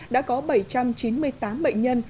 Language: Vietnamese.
đã có bảy trăm chín mươi tám bệnh nhân